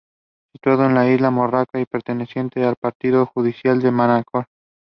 The Fulton Dragoons were led by Capt.